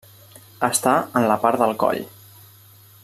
Està en la part del coll.